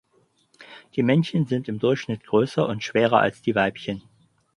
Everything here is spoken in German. Die Männchen sind im Durchschnitt größer und schwerer als die Weibchen.